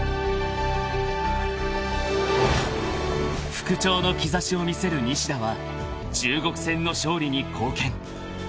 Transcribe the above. ［復調の兆しを見せる西田は中国戦の勝利に貢献］